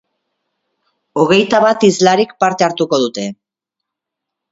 Hogeita bat hizlarik parte hartuko dute.